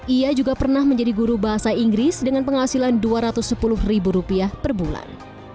ia juga pernah menjadi guru bahasa inggris dengan penghasilan dua ratus sepuluh ribu rupiah per bulan